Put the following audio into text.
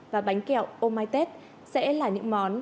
và bánh kẹo ômai tết sẽ là những món